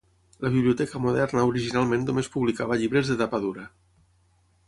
La Biblioteca Moderna originalment només publicava llibres de tapa dura.